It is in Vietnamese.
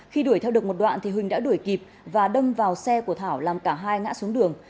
khi đuổi theo được một đoạn thì huỳnh đã đuổi kịp và đâm vào xe của thảo làm cả hai ngã xuống đường